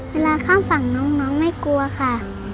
เวลาข้ามฝั่งน้องไม่กลัวค่ะ